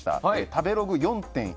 食べログ４．１７